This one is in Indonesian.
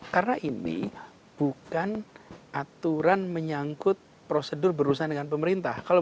karena ini bukan aturan menyangkut prosedur berurusan dengan pemerintah